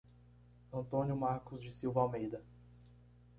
Antônio Marcos da Silva Almeida